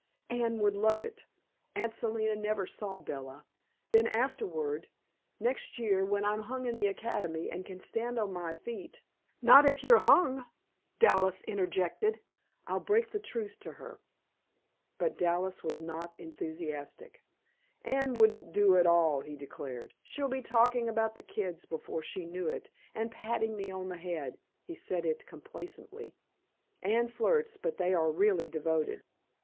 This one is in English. Anne would love it. Aunt Selina never saw Bella. Then, afterward, next year, when I'm hung in the Academy and can stand on my feet" ("Not if you're hung," Dallas interjected.) "I'll break the truth to her." But Dallas was not enthusiastic. "Anne wouldn't do at all," he declared. "She'd be talking about the kids before she knew it, and patting me on the head." He said it complacently; Anne flirts, but they are really devoted.